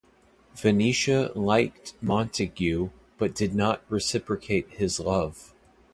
Venetia liked Montagu but did not reciprocate his love.